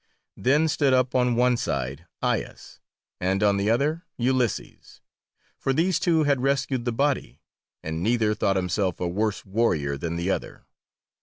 Then stood up on one side Aias and on the other Ulysses, for these two had rescued the body, and neither thought himself a worse warrior than the other.